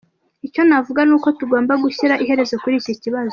Icyo navuga ni uko tugomba gushyira iherezo kuri iki kibazo.